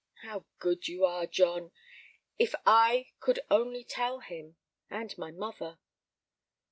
"How good you are, John! If I could only tell him—and my mother."